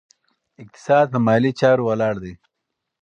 اقتصاد په مالي چارو ولاړ دی.